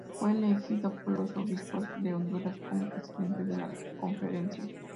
Fue elegido por los Obispos de Honduras como presidente de la conferencia.